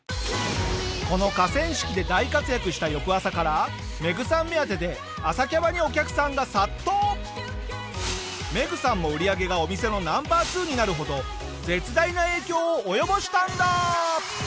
この河川敷で大活躍した翌朝からメグさん目当てでメグさんも売り上げがお店のナンバー２になるほど絶大な影響を及ぼしたんだ！